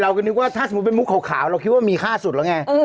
นึกว่าถ้าสมมุติเป็นมุกขาวเราคิดว่ามีค่าสุดแล้วไง